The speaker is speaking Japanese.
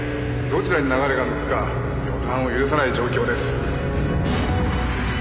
どちらに流れが向くか予断を許さない状況です」